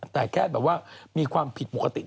แต่แค่แบบว่ามีความผิดปกติ